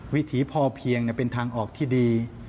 วิถีพอเพียงเป็นทางออกที่ดี